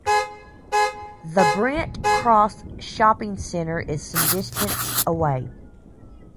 The Brent Cross shopping centre is some distance away.